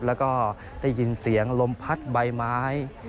แล้วก็ได้ยินเสียงลมพัดใบไม้